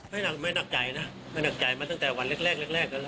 ไม่หนักใจนะไม่หนักใจมาตั้งแต่วันแรกแรกแล้วนะ